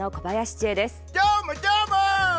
どーも、どーも！